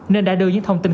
nên đã đưa những thông tin